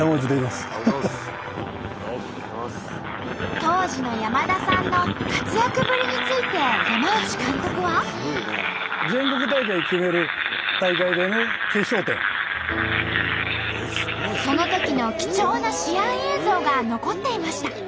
当時の山田さんの活躍ぶりについて山内監督は。そのときの貴重な試合映像が残っていました。